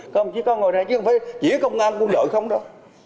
các ông chỉ có ngồi đây chứ không phải chỉ công an quân đội không đâu